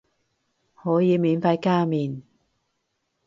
可以免費加麵